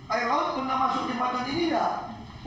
air laut pernah masuk jembatan ini enggak